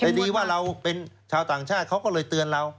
แต่ดีว่าเราเป็นชาวต่างชาติเขาก็เลยเตือนเรา